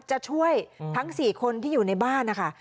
จะช่วยทั้ง๔คนที่อยู่ในบ้านนะคะ